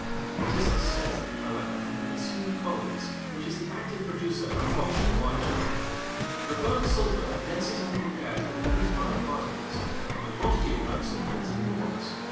It is the sulphur, however, from the consumed coals, which is the active producer of the fogs of a large town. The burnt sulphur condenses in the air to very fine particles, and the quantity of burnt sulphur is enormous.